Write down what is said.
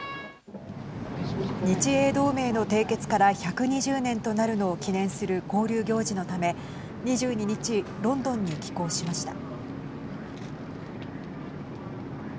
日英同盟の締結から１２０年となるのを記念する交流行事のため２２日ロンドンに寄港しました。